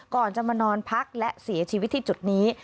ก่อนจะมานอนพักและเสียชีวิตที่จุดนี้